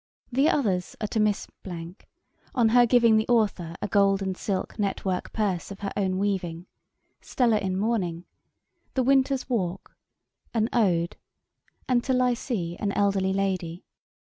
The others are 'To Miss , on her giving the Authour a gold and silk net work Purse of her own weaving;' 'Stella in Mourning;' 'The Winter's Walk;' 'An Ode;' and, 'To Lyce, an elderly Lady.'